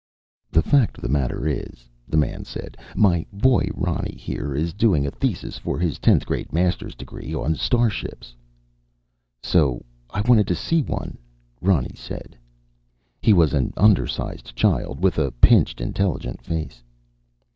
"The fact of the matter is," the man said, "my boy Ronny here is doing a thesis for his Tenth Grade Master's Degree. On starships." "So I wanted to see one," Ronny said. He was an undersized child with a pinched, intelligent face.